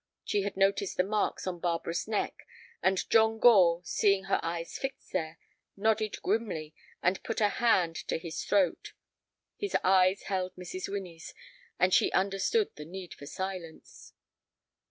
She had noticed the marks on Barbara's neck, and John Gore, seeing her eyes fixed there, nodded grimly and put a hand to his throat. His eyes held Mrs. Winnie's, and she understood the need for silence.